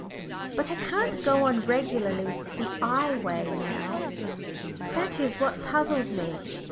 But I can't go on regularly the "I" way now. That is what puzzles me.